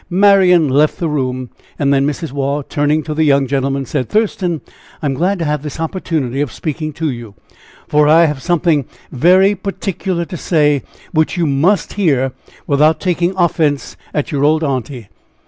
Marian left the room, and then Mrs. Waugh, turning to the young gentleman, said: "Thurston, I am glad to have this opportunity of speaking to you, for I have something very particular to say, which you must hear without taking offense at your old aunty!"